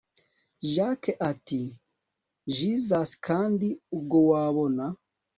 jack ati jesus kandi ubwo wabona